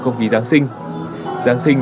không khí giáng sinh giáng sinh